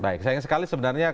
baik sayang sekali sebenarnya